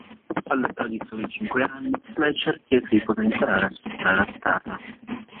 All'età di soli cinque anni, Fletcher chiese di poter imparare a suonare la chitarra.